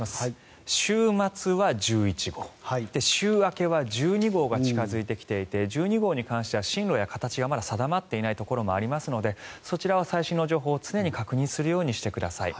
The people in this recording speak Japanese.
週末は１１号週明けは１２号が近付いてきていて１２号に関しては進路や形がまだ定まっていないところもありますのでそちらは最新の情報を常に確認するようにしてください。